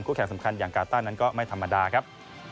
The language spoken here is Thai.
แข่งสำคัญอย่างกาต้านั้นก็ไม่ธรรมดาครับ